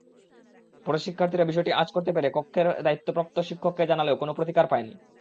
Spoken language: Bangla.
পরে শিক্ষার্থীরা বিষয়টি আঁচ করতে পেরে কক্ষের দায়িত্বপ্রাপ্ত শিক্ষককে জানালেও কোনো প্রতিকার পায়নি।